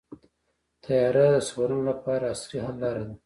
طیاره د سفرونو لپاره عصري حل لاره ده.